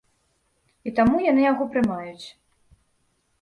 І таму яны яго прымаюць.